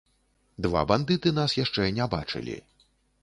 Два бандыты нас яшчэ не бачылі.